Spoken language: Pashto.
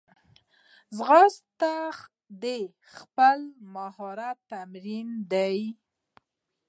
ځغاسته د خپل مهارت تمرین دی